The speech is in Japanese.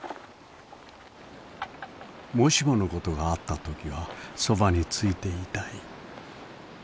もしもの事があった時はそばについていたい。